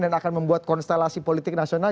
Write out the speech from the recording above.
dan akan membuat konstelasi politik nasional